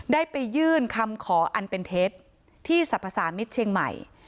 ได้ไปยื่นคำขออันเป็นเท็จที่สรรพสามิตรเชียงใหม่